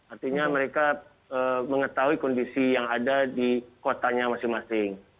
artinya mereka mengetahui kondisi yang ada di kotanya masing masing